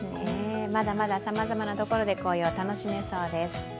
まだまださまざまなところで紅葉が楽しめそうです。